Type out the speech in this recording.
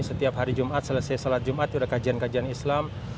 setiap hari jumat selesai sholat jumat sudah kajian kajian islam